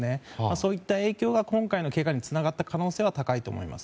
そういった影響が今回のけがにつながった可能性は高いと思います。